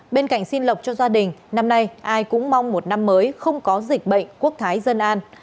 bên cạnh xin lọc cho gia đình năm nay ai cũng mong một năm mới không có dịch bệnh quốc thái dân an